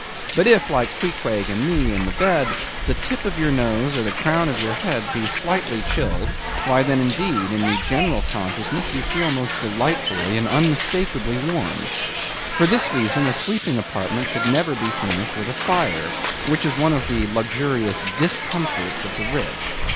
But if, like Queequeg and me in the bed, the tip of your nose or the crown of your head be slightly chilled, why then, indeed, in the general consciousness you feel most delightfully and unmistakably warm. For this reason a sleeping apartment should never be furnished with a fire, which is one of the luxurious discomforts of the rich.